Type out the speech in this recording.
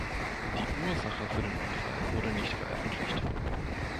Die Ursache für den Unfall wurde nicht veröffentlicht.